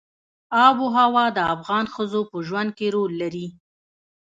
آب وهوا د افغان ښځو په ژوند کې رول لري.